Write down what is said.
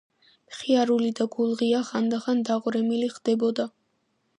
მხიარული და გულღია, ხანდახან დაღვრემილი ხდებოდა.